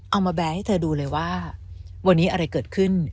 มาแบร์ให้เธอดูเลยว่าวันนี้อะไรเกิดขึ้น